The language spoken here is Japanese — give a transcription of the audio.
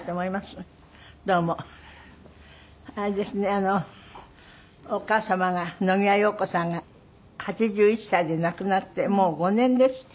あのお母様が野際陽子さんが８１歳で亡くなってもう５年ですって？